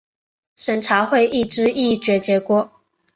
审查会议之议决结果